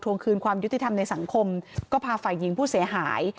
คืนความยุติธรรมในสังคมก็พาฝ่ายหญิงผู้เสียหาย